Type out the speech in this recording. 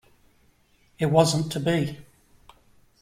It wasn't to be.